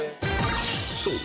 そう！